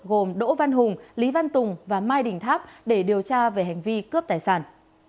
gồm đỗ văn hùng lý văn tùng và mai đình tháp để điều tra về hành vi cướp tài sản